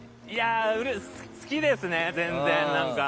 好きですね、全然。